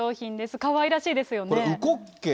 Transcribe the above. かわいらしいですよね。